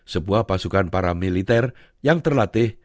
sebuah pasukan paramiliter yang terlatih